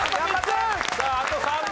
さああと３問！